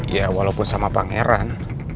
ya walaupun sama pangeran